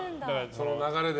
その流れで。